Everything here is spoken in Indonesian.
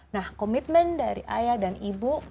nah komitmen dari ayah dan ibu